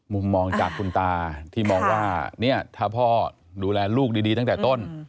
มุมมองจากคุณตาที่มองว่าเนี่ยถ้าพ่อดูแลลูกดีตั้งแต่ต้น